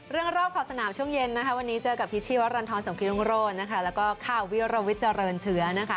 เรื่องรอบขอบสนามช่วงเย็นนะครับวันนี้เจอกับพี่ชีวรรณทรสมกิลงโรนแล้วก็ข้าววิรวิทรรณเชื้อ